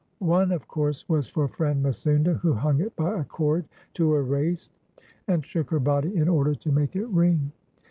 One, of course, was for friend Misounda, who hung it by a cord to her waist, and shook her body in order to make it ring.